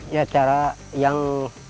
ya cara yang